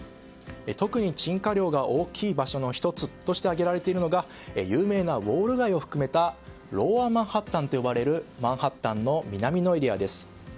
特に沈下量が大きい場所の１つとして挙げられているのが有名なウォール街を含めたロウアーマンハッタンといわれるマンハッタンの南のエリアです。